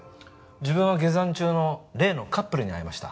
自分は下山中の例のカップルに会いました。